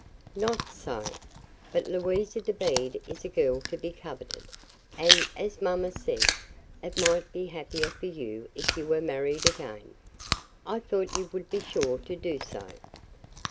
"Not so. But Louisa Dobede is a girl to be coveted, and, as mamma says, it might be happier for you if you married again. I thought you would be sure to do so."